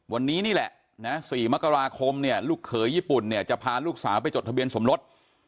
วันนี้นี่แหละนะ๔มกราคมเนี่ยลูกเขยญี่ปุ่นเนี่ยจะพาลูกสาวไปจดทะเบียนสมรส